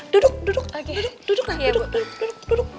duduk duduk duduk